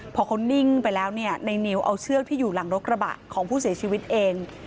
พอเขานิ่งไปแล้วเนี่ยในนิวเอาเชือกที่อยู่หลังรถกระบะของผู้เสียชีวิตเอง